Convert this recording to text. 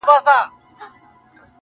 o نه له خدای او نه رسوله یې بېرېږې,